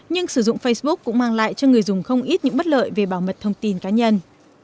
nhưng sử dụng facebook cũng mang lại cho người dùng không ít những bất lợi về bảo mật thông tin cá nhân